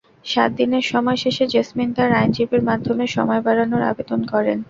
সাত দিনের সময় শেষে জেসমিন তাঁর আইনজীবীর মাধ্যমে সময় বাড়ানোর আবেদন করেন।